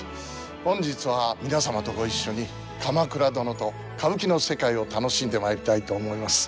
本日は皆様とご一緒に「鎌倉殿」と歌舞伎の世界を楽しんでまいりたいと思います。